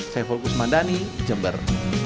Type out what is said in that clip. saya fulgus mandani jember